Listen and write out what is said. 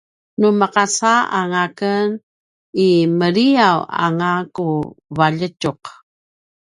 nu meqaca anga ken i meliyaw anga ku valjitjuq